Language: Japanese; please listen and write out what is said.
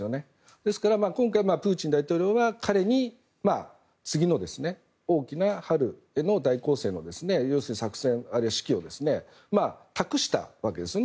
ですから今回はプーチン大統領は彼に次の大きな春への大攻勢の要するに作戦、あるいは指揮を託したわけですよね。